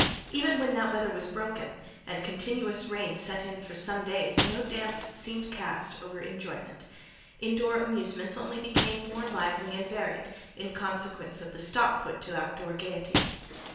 Even when that weather was broken, and continuous rain set in for some days, no damp seemed cast over enjoyment: indoor amusements only became more lively and varied, in consequence of the stop put to outdoor gaiety.